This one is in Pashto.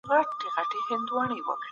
کله چي هغه وګرځېدی، نو ما وپېژندی.